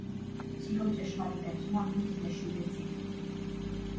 ციკლ „ჭეშმარიტების მახვილის“ მეშვიდე წიგნი.